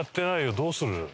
どうする？